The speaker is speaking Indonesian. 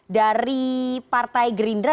dari partai gerindra